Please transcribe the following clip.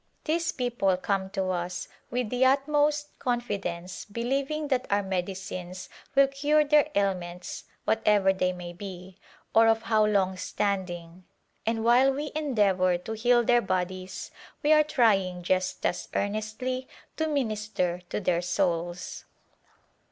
These people come to us with the utmost confidence believ General Work ing that our medicines will cure their ailments what ever they may be or of how long standing, and while we endeavor to heal their bodies we are trying just as earnestly to minister to their souls.